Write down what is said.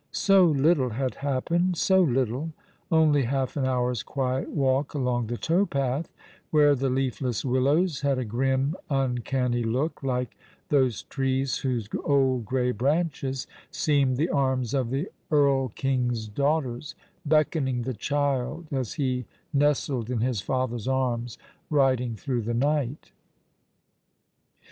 So little had happened — so little — only half an hour's quiet walk along the towpath, where the leafless willows had a grim, uncanny look, hko those trees whose old grey branches seemed the arms of the Erlking's daughters, beckoning the child as he nestled in his father's arms, riding through the night.